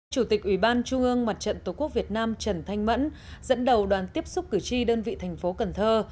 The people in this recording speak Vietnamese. chủ tịch ủy ban trung ương mặt trận tổ quốc việt nam trần thanh mẫn dẫn đầu đoàn tiếp xúc cử tri đơn vị thành phố cần thơ